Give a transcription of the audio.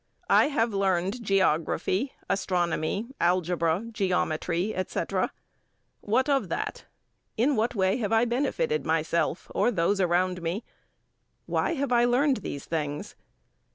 I have learned Geography, Astronomy, Algebra, Geometry, etc. What of that? In what way have I benefitted myself or those around me? Why have I learned these things?